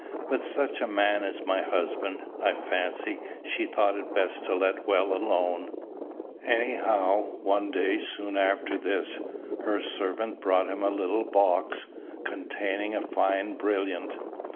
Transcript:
With such a man as my husband, I fancy, she thought it best to let well alone. Anyhow, one day soon after this, her servant brought him a little box, containing a fine brilliant.